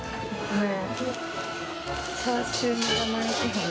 はい。